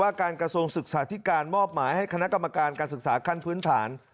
การกระทรวงศึกษาธิการมอบหมายให้คณะกรรมการการศึกษาขั้นพื้นฐาน